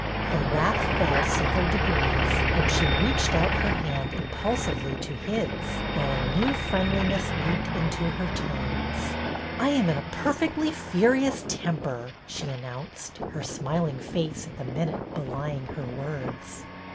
Her wrath fell several degrees. RETURN OF THE MARINER 217 and she reached out her hand impulsively to his, while a new friendliness leaped into her tones. " I am in a perfectly furious temper," she announced, her smiling face at the minute belying her words.